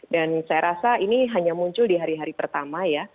dan saya rasa ini hanya muncul di hari hari pertama ya